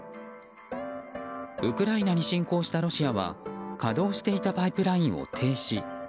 ウクライナに侵攻したロシアは稼働していたパイプラインを停止。